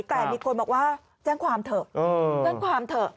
แต่มีคนบอกว่าแจ้งความเถอะ